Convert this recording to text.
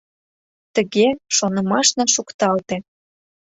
Тыге, шонымашна шукталте.